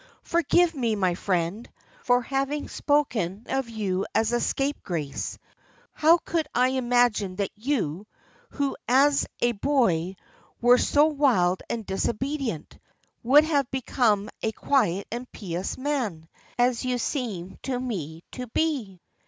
Forgive me, my friend, for having spoken of you as a scapegrace. How could I imagine that you, who as a boy were so wild and disobedient, would have become a quiet and pious man, as you seem to me to be."